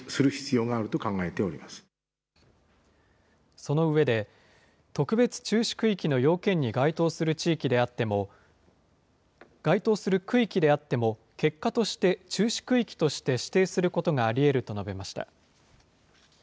その上で、特別注視区域の要件に該当する地域であっても、該当する区域であっても、結果として注視区域として指定することがありえると述べました。